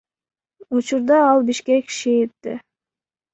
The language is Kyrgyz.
Учурда ал Бишкек ШИИБде.